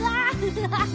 ハハハハ！